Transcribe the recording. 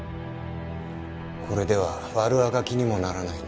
これでは悪あがきにもならないね。